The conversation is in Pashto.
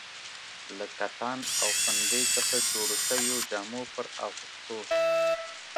له کتان او پنبې څخه جوړو شویو جامو پر اغوستو.